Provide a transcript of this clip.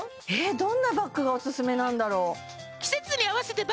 どんなバッグがおすすめなんだろう